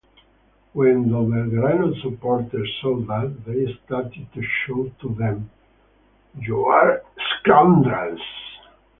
When the Belgrano supporters saw that, they started to shout to them: you're scoundrels!